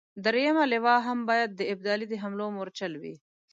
درېمه لواء هم باید د ابدالي د حملو مورچل وي.